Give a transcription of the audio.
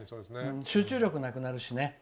集中力なくなるしね。